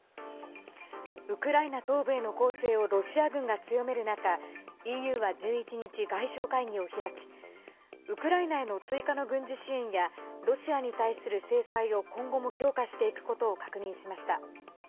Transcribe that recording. ウクライナ東部への攻勢をロシア軍が強める中ＥＵは１１日、外相会議を開きウクライナへの追加の軍事支援やロシアに対する制裁を今後も強化していくことを確認しました。